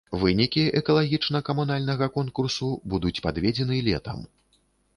Вынікі экалагічна-камунальнага конкурсу будуць падведзены летам.